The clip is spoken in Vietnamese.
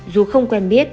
dù không quen biết